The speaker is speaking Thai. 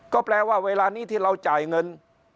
ก็แปลว่าเวลานี้ที่เราจ่ายเงิน